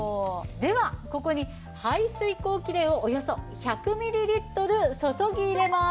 ではここに排水口キレイをおよそ１００ミリリットル注ぎ入れます。